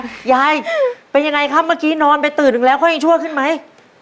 ยายเป็นยังไงครับเมื่อกี้นอนไปตื่นแล้วเขายังชั่วขึ้นไหม